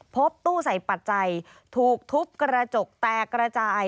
พบตู้ใส่ปัจจัยถูกทุบกระจกแตกกระจาย